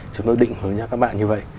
chúng tôi định hướng cho các bạn như vậy